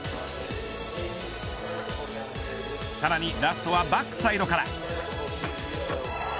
さらにラストはバックサイドから。